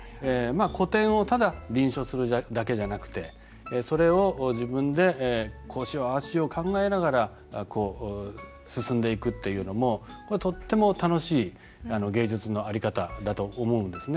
古典をただ臨書するだけじゃなくてそれを自分で「こうしようああしよう」考えながら進んでいくっていうのもとっても楽しい芸術の在り方だと思うんですね。